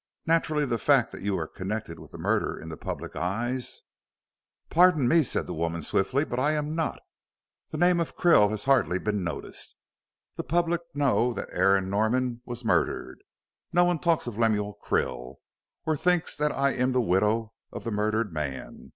Naturally, the fact that you are connected with the murder in the public eyes " "Pardon me," said the woman, swiftly, "but I am not. The name of Krill has hardly been noticed. The public know that Aaron Norman was murdered. No one talks of Lemuel Krill, or thinks that I am the widow of the murdered man.